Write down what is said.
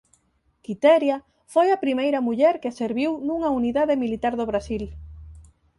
Quitéria foi a primeira muller que serviu nunha unidade militar do Brasil.